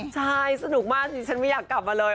ใช่สนุกมากดิฉันไม่อยากกลับมาเลย